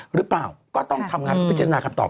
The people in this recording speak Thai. หรือเปล่าก็ต้องทำงานเพื่อพิจารณาคำตอบ